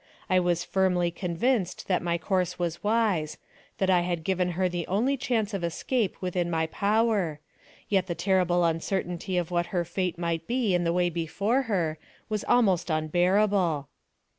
I was firmly convinced that my course was wise that I had given her the only chance of escape within my power; yet the terrible uncertainty of what her fate might be in the way before her, was almost unbearable.